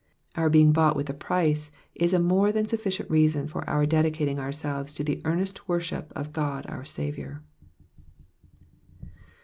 Our being bought with a price is a more than suflicient reason for our dedicating ourselves to the earnest worship of God our Saviour.